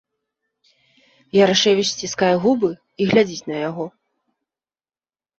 Ярашэвіч сціскае губы і глядзіць на яго.